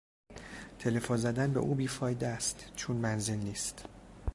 تلفن زدن به او بی فایده است چون منزل نیست.